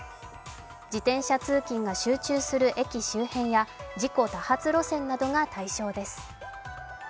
自転車通勤が集中する駅周辺や事故多発路線などが対象です。